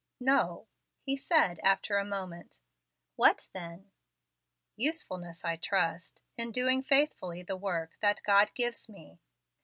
"No," he said, after a moment. "What then?" "Usefulness, I trust, the doing faithfully the work that God gives me."